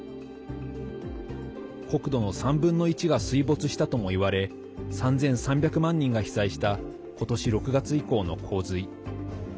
国土の３分の１が水没したともいわれ３３００万人が被災した今年６月以降の洪水。